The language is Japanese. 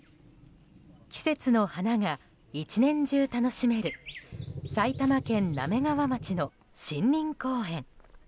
季節の花が１年中楽しめる埼玉県滑川町の森林公園。